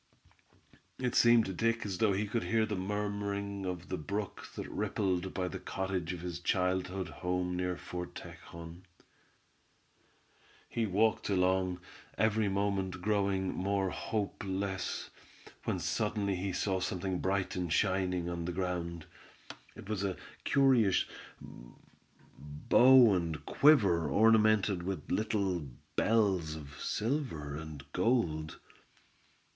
It seemed to Dick as though he could hear the murmuring of the brook that rippled by the cottage of his childhood home, near Fort Tejon. He walked along, every moment growing more hopeless, when suddenly he saw something bright and shining on the ground. It was a curious bow and quiver ornamented with little bells of silver and gold.